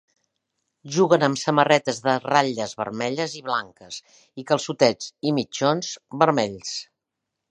Juguen amb samarretes de ratlles vermelles i blanques, i calçotets i mitjons vermells.